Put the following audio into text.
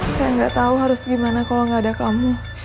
saya nggak tahu harus gimana kalau gak ada kamu